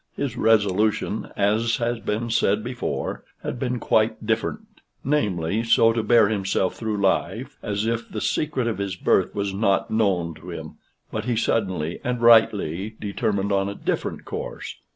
His resolution, as has been said before, had been quite different, namely, so to bear himself through life as if the secret of his birth was not known to him; but he suddenly and rightly determined on a different course.